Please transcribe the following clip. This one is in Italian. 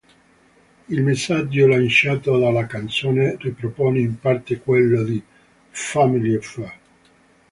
Il messaggio lanciato dalla canzone ripropone in parte quello di "Family Affair".